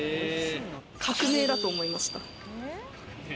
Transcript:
革命だと思いました。